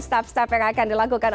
step step yang akan dilakukan